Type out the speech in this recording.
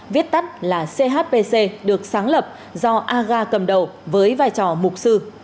viết tắt là chpc được sáng lập do aga cầm đầu với vai trò mục sư